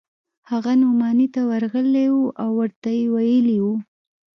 هغه نعماني ته ورغلى و ورته ويلي يې و.